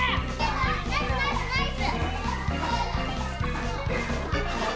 ナイスナイスナイス！